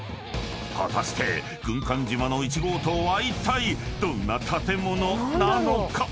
［果たして軍艦島の１号棟はいったいどんな建物なのか？］